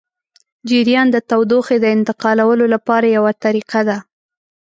جریان د تودوخې د انتقالولو لپاره یوه طریقه ده.